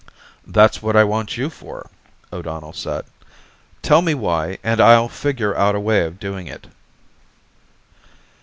"That's what I want you for," O'Donnell said. "Tell me why and I'll figure out a way of doing it."